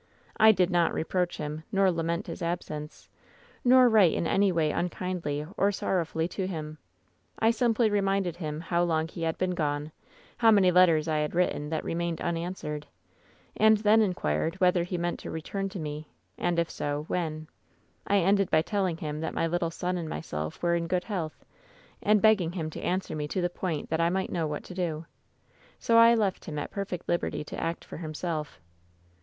"I did not reproach him, nor lament his absence, nor write in any way unkindly or sorrowfully to him. I simply reminded him how long he had been gone ; how many letters I had written that remained unanswered, and then inquired whether he meant to return to me, and if so, when ? I ended by telling him that my little son and myself were in good health, and begging him to answer me to the point that I might know what to do. So I left him at perfect liberty to act for himself.